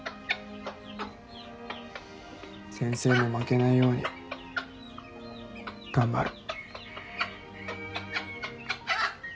先生も負けないように頑張る。